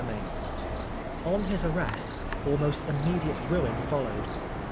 132 XII ON his arrest, almost immediate ruin followed.